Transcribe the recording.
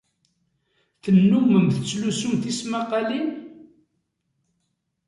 Tennummem tettlusum tismaqqalin?